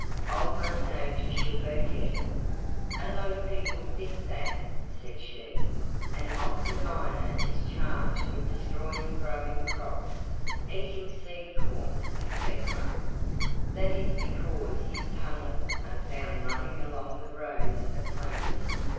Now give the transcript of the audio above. Old Mother Nature shook her head. "A lot of people think that," said she, "and often Miner is charged with destroying growing crops, eating seed corn, etc. That is because his tunnels are found running along the rows of plants.